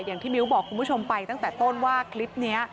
อย่างที่มิ้วบอกคุณผู้ชมไปตั้งแต่ต้นว่าคลิปนี้